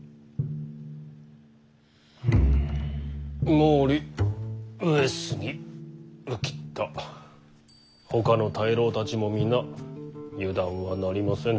毛利上杉宇喜多ほかの大老たちも皆油断はなりませぬ。